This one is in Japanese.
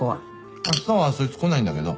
あしたはそいつ来ないんだけど。